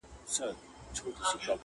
ټول مېږي وه خو هر ګوره سره بېل وه.!